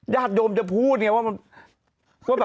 ยาชโยมจะพูดยังไงว่า